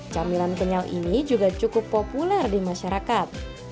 camilan kenyal ini juga cukup populer di masyarakat